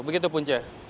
begitu pun c